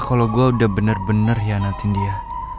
kalo gue udah bener bener hianatin dia